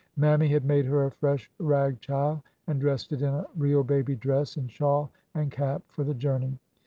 Mammy had made her a fresh '' rag chile," and dressed it in a real baby dress and shawl and cap for the journey.